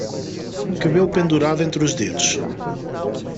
Cabelo pendurado entre os dedos